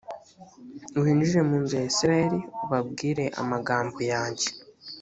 winjire mu inzu ya isirayeli ubabwire amagambo yanjye